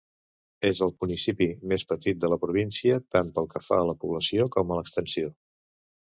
És el municipi més petit de la província tant pel que fa a la població com a l'extensió.